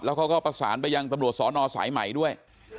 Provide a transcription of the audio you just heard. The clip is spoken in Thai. เขาก็ประสานไปยังตำรวจสอนอสายใหม่ด้วย